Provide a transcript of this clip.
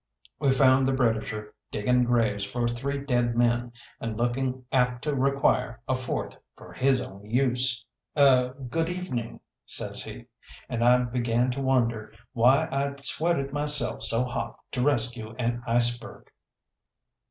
We found the Britisher digging graves for three dead men, and looking apt to require a fourth for his own use. "Er good evening," says he, and I began to wonder why I'd sweated myself so hot to rescue an iceberg.